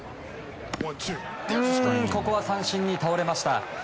うーんここは三振に倒れました。